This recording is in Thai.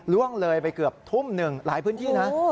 ล่วงเลยไปเกือบทุ่มหนึ่งหลายพื้นที่นะ